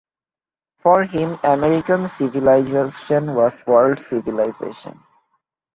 For him, American civilization was world civilization.